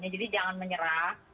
jadi jangan menyerah